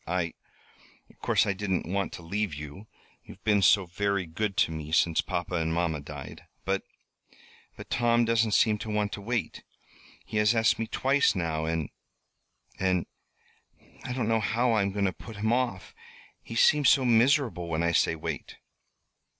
"I of course I didn't want to leave you you've been so very good to me since papa and mamma died. But but Tom doesn't seem to want to wait. He has asked me twice now and and I don't know how I am going to put him off. He seems so miserable when I say wait."